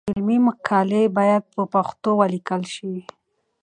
علمي مقالې باید په پښتو ولیکل شي.